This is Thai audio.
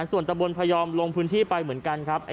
ส่วนตะบนพยอมลงพื้นที่ไปเหมือนกันครับ